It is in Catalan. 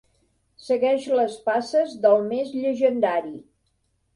Segueix les passes del més llegendari.